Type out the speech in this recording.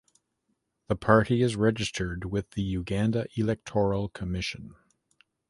The party is registered with the Uganda Electoral Commission.